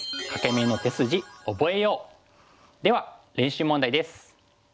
では練習問題です。